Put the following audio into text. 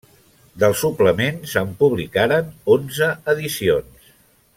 Del suplement se'n publicaren onze edicions.